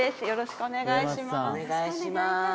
よろしくお願いします。